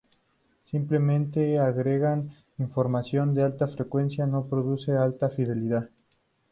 Simplemente agregar información de alta frecuencia no produce alta fidelidad.